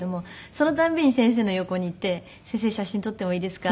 その度に先生の横に行って「先生写真撮ってもいいですか？」